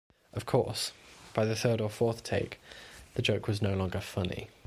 Of course, by the third or fourth take, the joke was no longer funny.